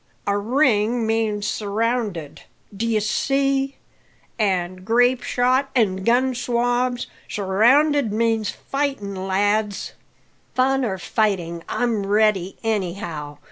A ring means surrounded, d'ye see; an' grape shot an' gun swabs! surrounded means fightin', lads!" "Fun or fighting, I'm ready, anyhow!"